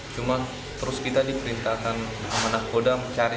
cuma terus kita diperintahkan sama nakoda mencari